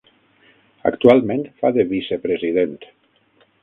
Actualment fa de vicepresident.